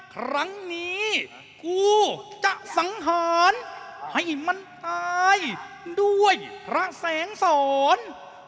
ครั้งนี้กูจะสังหารให้มันตายด้วยพระแสงสอน